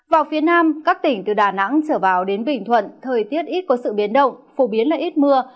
vào phía nam các tỉnh từ đà nẵng trở vào đến bình thuận thời tiết ít có sự biến động phổ biến là ít mưa